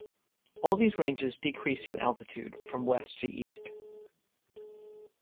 All these ranges decrease in altitude from west to east.